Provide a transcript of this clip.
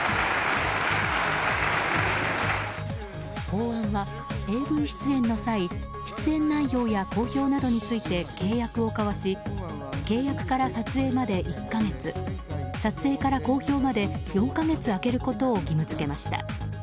法案はＡＶ出演の際出演内容や公表などについて契約を交わし契約から撮影まで１か月撮影から公表まで４か月空けることを義務付けました。